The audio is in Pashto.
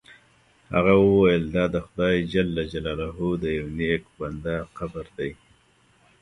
هغه وویل دا د خدای جل جلاله د یو نیک بنده قبر دی.